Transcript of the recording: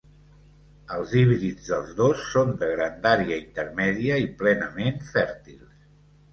Els híbrids dels dos són de grandària intermèdia i plenament fèrtils.